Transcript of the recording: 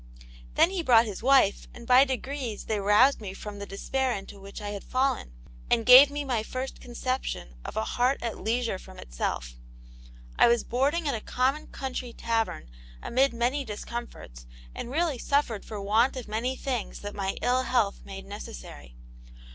Then he brought his wife, and by degrees they roused me from the despair into which I had fallen, and gave me my first conception of a 'heart at leisure from itself.' I was boarding at a common country tavern, amid many discomforts, and really suffered for want of many things that my ill health made necessary.